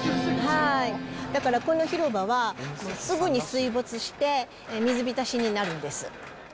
だからこの広場は、すぐに水没して水浸しになるんです。